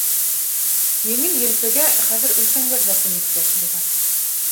Еңел-елпегә хәҙер өлкәндәр ҙә күнекте, буғай.